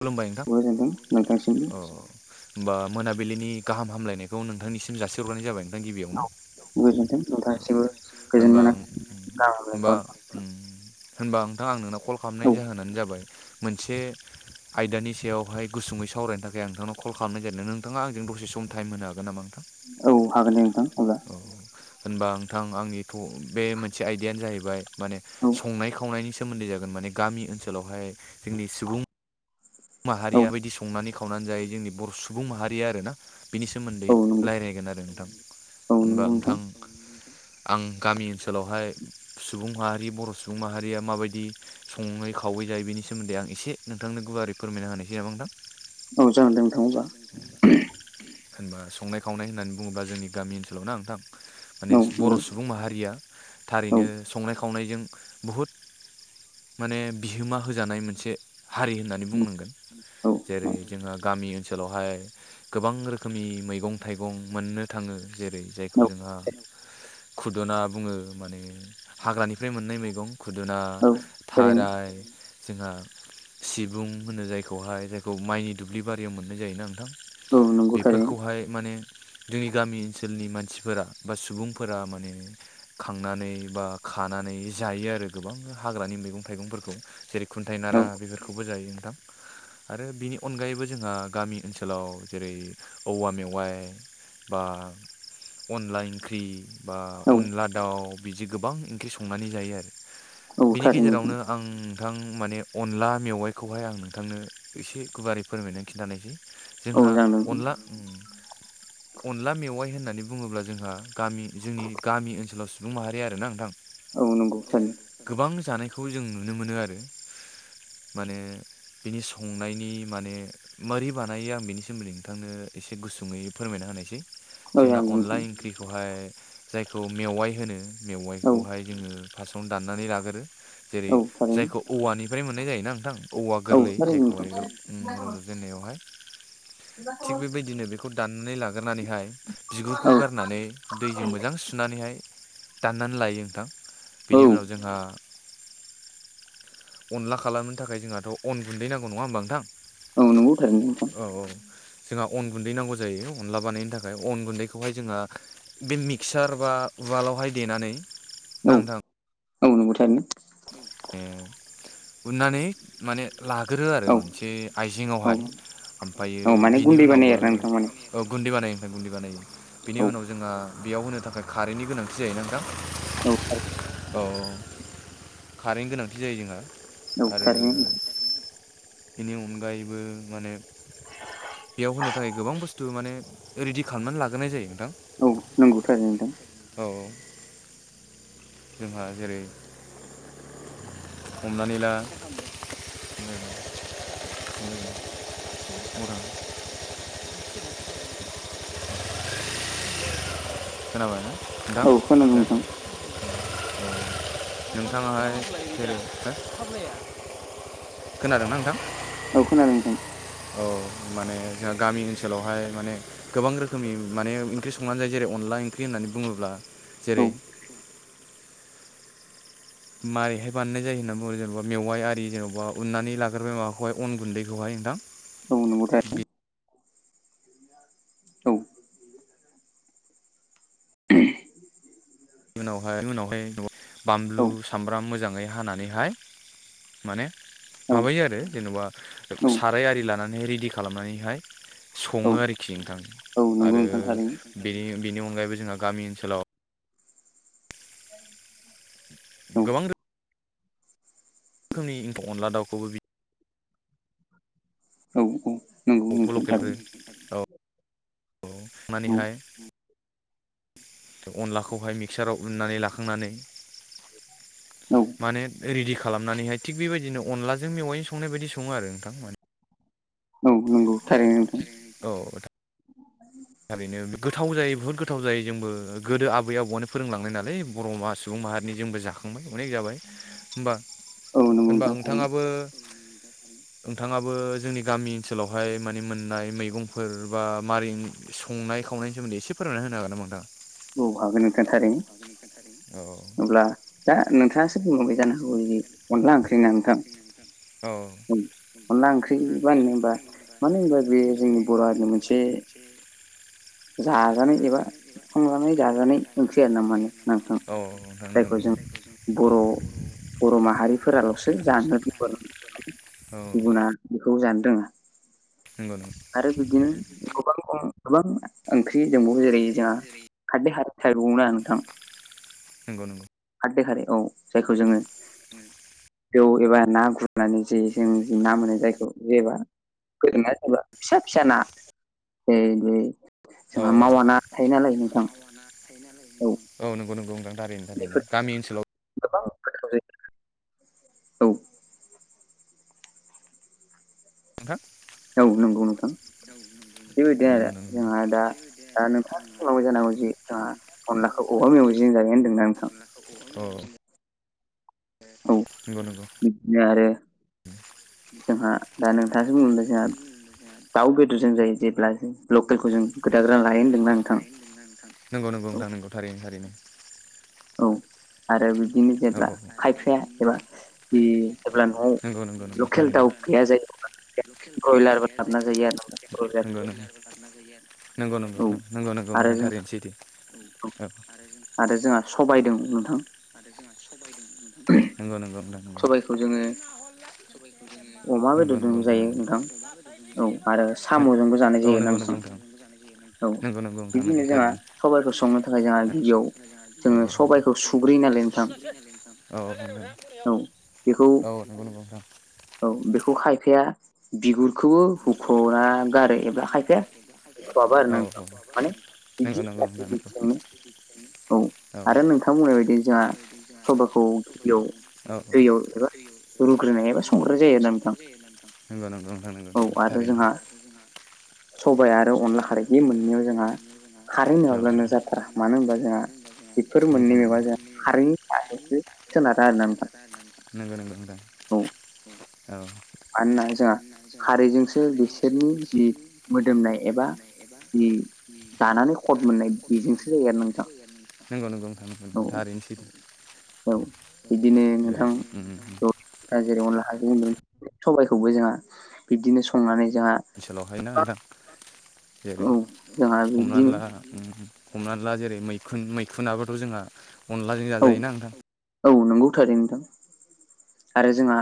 खुलुमबाय नोंथां। बो गोजोन्थों नोंथांसिमबो औ होमबा मोनाबिलिनि गाहाम हामलायनायखौ नोंथांनिसि म जासि हरग्राय जाबाय नोंथां गिबियावनो। गोजोन्थों नोंथांसिमबो गोजोन होनबा मोना उङ होनबा गाहाम हामलायनायखौ उम होनबा नोंथां आं नोंनाव कल औ खालामनायनि जाहोनानो जाबाय मोनसे आयदानि सायावहाय गुसुङै सावरायनो थाखाय आ नोंथांनाव कल खालामनाय जादों नोंथाङा आंजों दसे सम टाइम होनो हागोन नामा नोंथां? औ हागोन दे नोंथां अब्ला औ औ होनबा नोंथां आंनि थ बे मोनसे आयदियानो जाहैबाय माने औ संनाय खावनायनि सोमोन्दै जागोन माने गामि ओनसोलावहाय जोंनि सुबुं औ माहारिया बायदि संनानै खावनानै जायो जोंनि बर' सुबुं माहारिया आरो ना। बिनि सोमोन्दै औ नंगौ रायज्लायगोन आरो नोंथां। औ होनबा नंगौ नोंथां आं गामि ओनसोलावहाय सुबुं माहारि बर' सुबुं माहारिया माबायदि सङै खावै जायो बिनि सोमोन्दै आं एसे नोंथांनो गुवारै फोरमायना होनायसै नामा नोंथां? औ जागोन दे नोंथां अब्ला होनबा संनाय खावनाय होननानै बुङोब्ला जोंनि गामि ओनसोलावना ओंथां माने औ बर' नंगौ सुबुं माहारिया औ थारैनो संनाय खावनायजों बुहुद माने बिहोमा होजानाय मोनसे हारि होननानै बुंनांगोन औ जेरै जोंहा गा गामि ओनसोलावहाय गोबां रोखोमनि मैगं थाइगं मोननो थाङो जेरै जायखौ जोंहा खुदुना बुङो माने हाग्रानिफ्राय मोननाय मैगं खुदुना थारैनो थाराय जोंहा सिबुं होनो जायखौहाय जायखौ माइनि दुब्लि बारियाव मोननाय जायोना ओंथां औ नंगौ थारैनो बेफोरखौहाय माने जोंनि गामि ओनसोलनि मानसिफोरा बा सुबुंफोरा माने खांनानै बा खानानै जायो आरो गोबां हाग्रानि मैगं थाइगंफोरखौ जेरै औ खुन्थाइनारा बेफोरखौबो जायो ओंथां आरो बिनि अनगायैबो जोंहा गामि ओनसोलाव जेरै औवा मेवाइ बा अनलाइ ओंख्रि बा औ अनला दाउ बिदि गोबां ओंख्रि संनानै जायो आरो। औ बिनि थारैनो नोंथां गेजेरावनो आं नोंथां माने अनला मेवाइखौहाय आङो थांनो एसे गुवारै फोरमायनानै खिन्थानायसै औ जोंहा जागोन दे अनला नोंथां अनला मेवाइ होननानै बुङोब्ला जोंहा गामि जोंनि गामि ओनसोलाव सुबुं माहारि आरोना ओंथां औ नोंगौ थारैनो। गोबां जानायखौ जों नुनो मोनो आरो माने बिनि संनायनि माने मारै बानायो आं बिनि सोमोन्दै नोंथांनो एसे गुसुङै फोरमायना होनायसै। औ जोंना जागोन दे नोंथां अनलाइ ओंख्रिखौहाय जायखौ मेवाइ होनो। औ मेवाइखौहाय जोङो फार्स्टआवनो दाननानै लागोरो जेरै औ थारैनो जायखौ औवानिफ्राय मोननाय जायोना ओनथां औवा औ गोरलै थारैनो नोंथां जायखौहाय उम रज'जेनन्नायावहाय थिग बेबायदिनो बेखौ दाननानै लाग्रोनानैहाय बिगुरखौ औ गारनानै दैजों मोजां सुनानैहाय दाननान लायो ओंथां बिनि औ उनाव जोंहा अनला खालामनो थाखाय जोंहाथ' अन गुन्दै नांगौ नङा होमबा ओंथां? औ नंगौ थारैनो नोंथां औ औ जोंहा अन गुन्दै नांगौ जायो अनला बानायनो थाखाय अन गुन्दैखौहाय जोंहा बि मिक्सार बा उवालावहाय देनानै ना औ नांथां? औ नोंगौ थारैनो। ए उननानै माने लागोरो आरो औ मोनसे औ आइजेेंआवहाय औ ओमफायो माने बिनि गुन्दै बानायो उनावबो आरोना नोंथां माने औ गुन्दै बानायनि ओमफाय गुन्दै बानायो बिनि औ उनाव जोंहा बेयाव होनो थाखाय खारैनि गोनांथि जायोना ओंथां? औ औ औ खारैनि गोनांथि जायो जोंहा औ आरो थारैनो नोंथां बिनि अनगायैबो माने बेयाव होनो थाखाय गोबां बुस्थु माने रेडि खालामनान लाग्रोनाय जायो नोंथां। औ नोंगौ थारैनो थां। औ जोंहा जेरै हमनानै ला [unintelligible] अरा खोनाबाय ना दा औ खोनादों [unintelligible] नोंथां नोंथाङाहाय ओ नोंथां खोनादोंना नोंथां औ खोनादों नोंथां। औ माने जोंहा गामि ओनसोलावहाय माने गोबां रोखोमनि माने ओंख्रि संनानै जायो जेरै अनला ओंख्रि होननानै बुङोब्ला औ जेरै मायैहाय बानायनाय जायो होनना बुङो जेनेबा मेवाइ आरि जेनबा उननानै लाग्रोबाय माबाखौहाय अन गुन्दैखौहाय नोंथां औ नंगौ थाय बिनि औ [unintelligible] उनावहाय उनावहाय बामलु सामब्राम मोजाङै। हानानैहाय माने औ माबायो आरो जेन'बा साराय आरि लानानैहाय रेडि खालामनानैहाय औ सङो आरोखि नोंथां औ नंगौ आरो नोंथां थारैनो बेनि बेनि अनगायैबो जोंहा गामि ओनसोलाव [inaudible] औ गोबां रो रोखोमनि अनला दाउखौबो बि औ औ नोंगौ बेखौ नोंथां थारैनो। औ मानेहाय अनलाखौहाय मिक्साराव उन्नानै लाखांनानै औ माने रेडि खालामनानैहाय थिग बेबायदिनो अनलाजों मेवायजों संनाय बायदि सङो आरो नोंथां माने औ नोंगौ थारैनो नोंथां। औ [inaudible] ओरैनो गोथाव जायो बुहुद गोथाव जायो जोंबो गोदो आबै आबौआनो फोरोंलांनाय नालाय बर मास सुबुं माहारिनि जोंबो जाखांबाय अनेक जाबाय होमबा औ नंगौ होनबा नोंथां थारैनो ओंथाङाबो ओंथाङाबो जोंनि गामि ओनसोलावहाय माने मोननाय मैगंफोर बा मारै संनाय खावनायनि सोमोन्दै एसे फोरमायना होनो हागोन नोंथां औ हागोन नोंथां थारैनो औ अब्ला दा नोंथाङा एसे बुंलांबाय जानो हागौ जेरै अनला ओंख्रिना नोंथां औ अनला ओंख्रि मानो होनबा औ मानो होनबा बे जोंनि बर' हारिनि मोनसे [unintelligible] जाजानाय एबा संनानै जाजानाय ओंख्रि आरो ना मानो ना नोंथां नोंथां नंगौ जायखौ नंगौ जों बर' बर' माहारिफोरालसो जानो [unintelligible] औ गुबुना बेखौ जानो रोङो नोंगौ नों आरो बिब्दिनो गोबां अर गोबां ओंख्रि दंबावो जेरै जोंहा [unintelligible] नोंगौ नों खारदै खारै औ जायखौ जोङो उम जौ एबा ना गुरनानै जायो जोंनिजों ना मोनो जायखौ एबा गोदोना थाबा फिसा फिस ना [unintelligible] औ जोंहा मावान थायो नालाय नोंथां औ नंगौ नंगौ नोंथां थारै नोंथां बेनो बेफोर गामि ओनसोलाव [unintelligible] नोंथां औ नंगौ नोंथां। बेबायदि [unintelligible] जोंहा दा आरो दा नोंथाङा जों सिगाङाव जानांगौ जि जोंहा दा अनलाखौ औवा मेवाइजों जायो होनदोंना नोंथां औ औ नोंगौ नोंगौ। आरो जोंहा दा नोंथाङासो बुंदों जोंहा दाउ बेदर। जों जायो जेब्ला लकेलखौ जों गोदाग्रोना लायो होनदोंना नोंथां। नोंगौ नोंगौ नोथां औ थारैनो थारैनो। औ। आरो बिदिनो औ जेब्ला औ खायफाया एबा बे जेब्ला न'आव। नंगौ नंगौ नंगौ थारैनो लखेल्थााव गैया जायो ब्रयलारबो लाबोना जायो आरो नामा नंगौ ब्रयलारबो। नंगौ नंगौ नंगौ औ नंगौ नंगौ आरो नोंथां जों थाारनोसैथो औ। आरो जोंहा सबायदों नोंथां। नोंगौ नोंगौ नोंगौ सबायखौ जोङो अमा नोंगौ बेदरजों नोंथां जायो नोंगौ। औ आरो साम'जोंबो जानाय जायोना नंगौ नंगौ नोंथां। औ नंगौ नंगौ नोंथां बिदिनो नंगौ जोंहा थारैनो बिदिनो सबाइखौ संनो थाखाय जोंहा गिबियाव जोङो सबाइखौ सुग्रोयो नालाय नोंथां औ औ औ नोंगौ बेखौ नोंगौ नोंथां। औ बेखौ खायफाया बिगुरखौबो हुख'ना गारो एब्ला खायफाया हुख'आबो आरोना माने बिदि नोंगौ नोंगौ औ आरो नोंथां नोंथां बुंनाय बायदि जोंहा नोंगौ। सबाइखौ औ गिबियाव औ दैयाव एबा औ। रुग्रोनाय एबा सं नोगौ नोंगौ नोंथांं नोंगौ। औ आरो जोंहा सबाय आरो अनला खारै बे मोन्नैयाव जोंहा खारै औ नंगौ नङाब्लानो जाथारा। नंगौ नंगौ नोंथां औ मानो होमबा जोंहा बेफोर नंगौ मोन्नै नंगौ मेगंआ नोंथां जों खारैनि सायावसो सोनारा आरोना नोंथां। [inaudible] नोंगौ नोंगौ नोंथां औ औ। मानोना जोंहा खारैजोंसो बिसोरनि जि मोदोमनाय एबा जि दानानै खद मोननाय बेजोंसो जायो आरो नोंथां नोंगौ नोंगौ नोंथां औ [inaudible] थारैनो सैथो। औ बिदिनो जेरै नोंथां जेरै अनला खारै [unintelligible] सबायखौबो जोंहा बिबदिनो संनानै जोंहा ओनसोलावहायना नोथां जेरै औ जोंहा बिब्दिनो हमनानै ला हमनानै ला जेरै मैखुन, मैखुनाबोथ' जोंहा अनलाजों औ जाजायोना नोंथां। औ नोंगौ थारैनो नोंथां। आरो जोंहा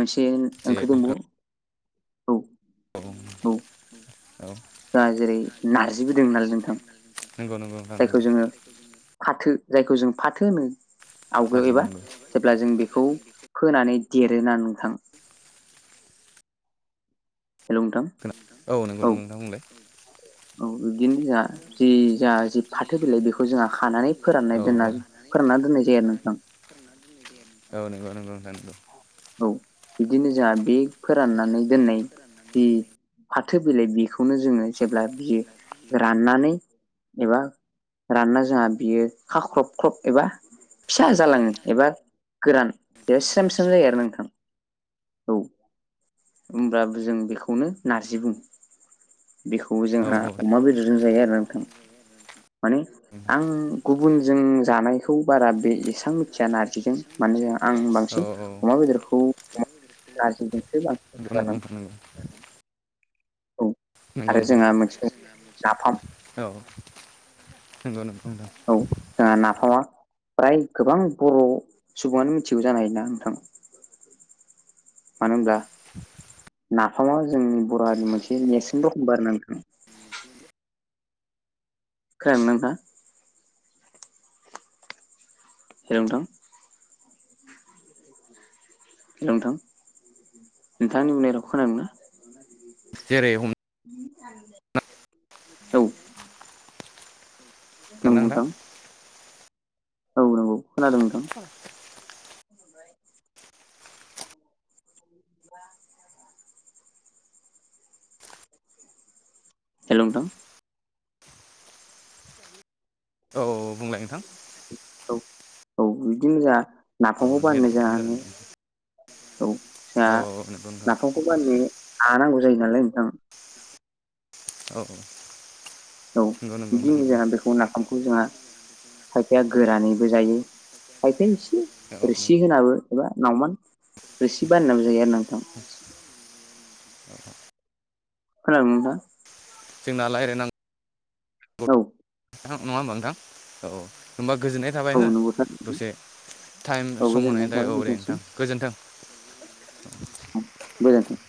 मोनसे जे ओंख्रि दंबो औ औ। औ दा जेरै नार्जिबो दोङो नालाय नोंथां नोंगौ नोंगौ नोंथां नोंगौ। जायखौ जोङो फाथो जायखौ जों फाथो होनो आवगो एबा थारैनो नंगौ जेब्ला जों बेखौ फोनानै देरोना नोंथां हेलौ नोंथां। औ नोंगौ नों नोंथांमोन बुंलाय। औ बिदिनो जा जि जा जि फाथो बिलाइ बेखौ जोंहा खानानै फोराननाय दोनना फोरानना दोननाय जायो आरो नोंथां। औ नोंगौ नोंगौ नोंथां नोंगौ। औ बिदिनो जोंहा बे बिदिनो जोंहा फोराननानै बे दोननाय फोराननानै जि दोननाय फाथो बिलाइ बिखौनो जोङो जेब्ला बियो राननानै एबा रानना जोंहा बियो खाख्रब ख्रब एबा फिसा जालाङो एबा गोरान बे स्रेमस्रेम जायो। [unintelligible] औ होनब्ला जों बेखौनो नार्जि बुङो। बेखौबो औ जोंहा अमा बेदरजों जायो आरोना नोंथां। माने आं गुबुनजों जानायखौ बारा बे एसबां जा नारजिजों माने आं औ बांसिन औ अमा बेदरखौ नारजिजोंसो बांसिन [unintelligible] औ नंगौ आरो नंगौ जोंहा मोनसे नाफाम औ नंगौ नंगौ नोंथां औ जोंहा नाफामा? फ्राय गोबां बर' सुबुङानो मिथिगौ जानायना नोंथां। मानो होनब्ला नाफामा जोंनि बर' हारिनि मोनसे नेर्सोन दखमबार ना नोंथां। खोनादोंना नोंथाङा? हेलौ नोंथां? हेल' नोंथां नोंथाङा आंनि बुंनाय रावखौ खोनादोंना? जेरै [unintelligible] औ नंगौ नोंथां [unintelligible] औ नंगौ खोनादों नोंथां [inaudible] बा [inaudible] हेल' नोंथां? औ औ बुंलाय नोंथां [unintelligible] औ जोंहा अ नाफामखौ नेट प्रब्लेम जादों बानायनो हा औ नंगौ नोंथां नांगौ जायो नालाय नोंथां? औ औ नंगौ [unintelligible] नंगौ नोंथां नंगौ ओंखामखौ जोंहा खायफाया गोरानैबो जायो। खायफाया एसे औ रोसि होनाबो एबा नावमान रोसि बानायनाबो जायो आरो ना नोंथां। [inaudible] खोनादोंना नोंथां जोंना रायज्लायनांगौ औ खोनादों नङा होमबा नोंथां? औ होमबा गोजोननाय थाबाय हो। औ नंगौ थारैनो। दसे टाइम औ सम गोजोननाय होनायनि थाखाय थाबाय औ दे नोंथांसिम नोंथां। गोजोन्थों। गोजोन्थों।